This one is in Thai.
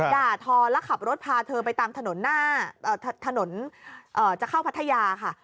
ด่าทอแล้วขับรถพาเธอไปตามถนนหน้าถนนจะเข้าพัทยาค่ะ